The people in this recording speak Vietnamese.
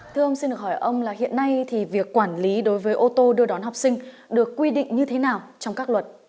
thưa ông xin được hỏi ông là hiện nay thì việc quản lý đối với ô tô đưa đón học sinh được quy định như thế nào trong các luật